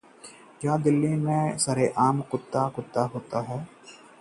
दिल्ली में सरेआम कुत्ते का अपहरण, पुलिस तलाश में जुटी